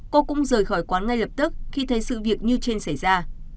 cô cũng rời khỏi quán ngay lập tức khi thấy sự việc như trên xảy ra